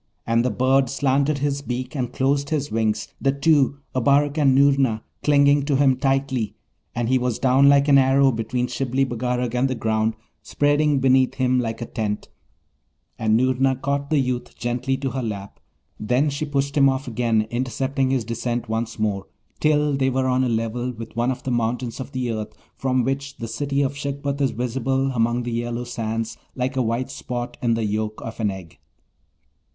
and the bird slanted his beak and closed his wings, the two, Abarak and Noorna, clinging to him tightly; and he was down like an arrow between Shibli Bagarag and the ground, spreading beneath him like a tent, and Noorna caught the youth gently to her lap; then she pushed him off again, intercepting his descent once more, till they were on a level with one of the mountains of the earth, from which the City of Shagpat is visible among the yellow sands like a white spot in the yolk of an egg.